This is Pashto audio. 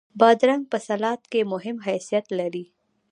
بادرنګ په سلاد کې مهم حیثیت لري.